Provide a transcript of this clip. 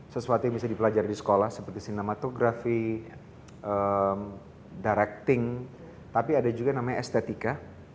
sesuatu yang bisa dipelajari di sekolah seperti sinematografi directing tapi ada juga yang namanya estetika